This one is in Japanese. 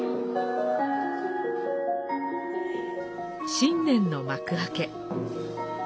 新年の幕開け。